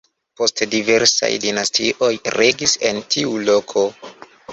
Poste diversaj dinastioj regis en tiu loko.